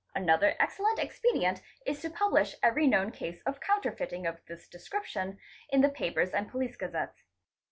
Another excellent expedient is to publish every known case of counterfeiting of this description in the papers and police gazettes.